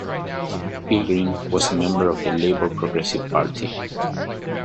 Pilgrim was a member of the Labour Progressive Party.